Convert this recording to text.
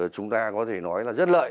chúng ta có thể nói là rất lợi